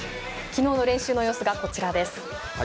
昨日の練習の様子がこちらです。